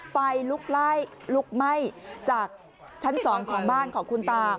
ไฟลุกไล่ลุกไหม้จากชั้น๒ของบ้านของคุณตา